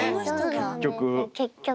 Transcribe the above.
結局。